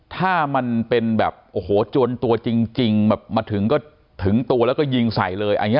ถ้ามันเป็นแบบโอ้โหจวนตัวจริงแบบมาถึงก็ถึงตัวแล้วก็ยิงใส่เลยอันนี้